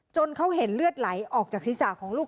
เขาเห็นเลือดไหลออกจากศีรษะของลูก